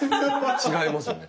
違いますよね。